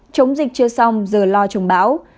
chống dịch chưa xong giờ lo chống báo